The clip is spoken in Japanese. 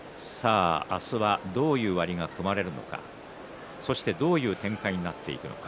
明日はどういう割が組まれるのかそしてどういう展開になっていくのか。